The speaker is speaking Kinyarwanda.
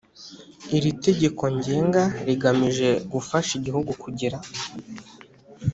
Iri tegeko ngenga rigamije gufasha igihugu kugira